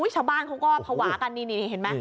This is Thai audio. ชาวบ้านเขาก็ภาวะกันนี่เห็นไหม